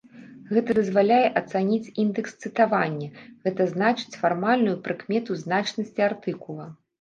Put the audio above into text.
Гэта дазваляе ацаніць індэкс цытавання, гэта значыць фармальную прыкмету значнасці артыкула.